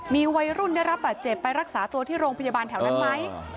มีวัยรุ่นได้รับบาดเจ็บไปรักษาตัวที่โรงพยาบาลแถวนั้นไหม